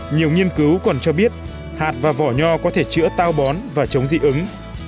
nhiều nghiên cứu còn cho biết hạt và vỏ nho có thể chữa tao bón và chống dị ứng